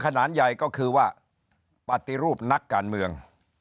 ขนาดใหญ่ก็คือว่าปฏิรูปนักการเมือง